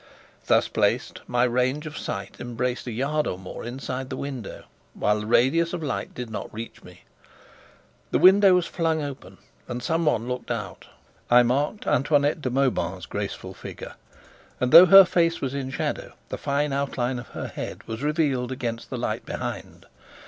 Thus placed, my range of sight embraced a yard or more inside the window, while the radius of light did not reach me. The window was flung open and someone looked out. I marked Antoinette de Mauban's graceful figure, and, though her face was in shadow, the fine outline of her head was revealed against the light behind.